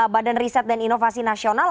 badan riset dan inovasi nasional